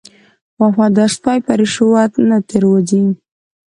وفادار سپی په رشوت نه تیر وځي.